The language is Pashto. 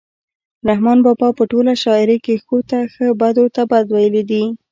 رحمان بابا په ټوله شاعرۍ کې ښو ته ښه بدو ته بد ویلي دي.